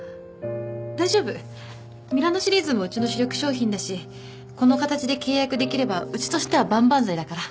大丈夫ミラノシリーズもうちの主力商品だしこの形で契約できればうちとしては万々歳だから。